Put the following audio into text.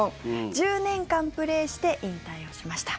１０年間プレーして引退をしました。